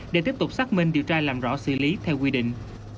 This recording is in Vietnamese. để tiếp tục xác minh điều tra làm rõ xử lý theo quy định